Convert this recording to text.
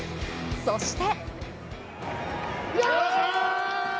そして。